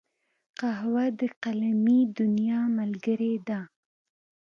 قهوه د قلمي دنیا ملګرې ده